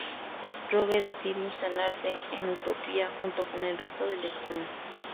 Rogue decide instalarse en Utopía junto con el resto de X-Men.